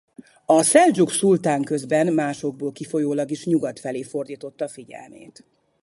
A szeldzsuk szultán közben más okból kifolyólag is nyugat felé fordította a figyelmét.